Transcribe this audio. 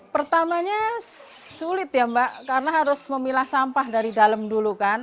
pertamanya sulit ya mbak karena harus memilah sampah dari dalam dulu kan